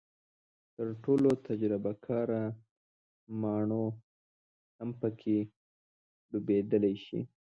تر ټولو تجربه کاره ماڼو هم پکې ډوبېدلی شي.